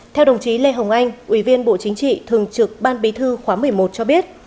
theo đồng chí lê hồng anh ủy viên bộ chính trị thường trực ban bí thư khóa một mươi một cho biết